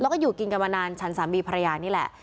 แล้วก็อยู่กินกันมานานฉันสามีภรรยานี่แหละ